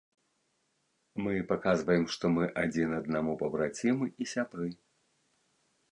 Мы паказваем, што мы адзін аднаму пабрацімы і сябры.